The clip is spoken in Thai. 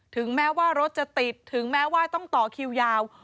ถึงแม้ว่ารถจะติดถึงแม้ว่าต้องต่อคิวยาว